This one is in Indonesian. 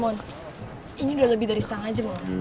ini udah lebih dari setengah jam